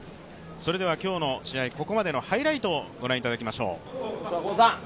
それでは今日の試合、ここまでのハイライトをご覧いただきます。